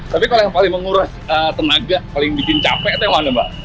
tapi kalau yang paling menguras tenaga paling bikin capek itu yang mana mbak